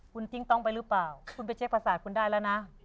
คุณจิ้งต้องไปหรือเปล่าคุณไปเช็คประสาทคุณได้แล้วนะ